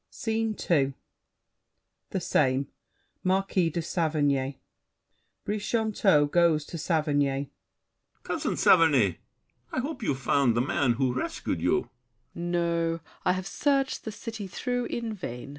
SCENE II The same. Marquis de Saverny BRICHANTEAU (going to Saverny). Cousin Saverny, I hope you've found the man who rescued you. SAVERNY. No; I have searched the city through in vain.